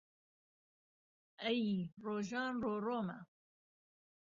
ئهی رۆژان رۆڕۆمه